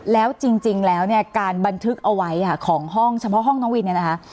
แล้วจริงแล้วเนี่ยการบันทึกเอาไว้ของห้องเฉพาะห้องน้องวินเนี่ยนะคะ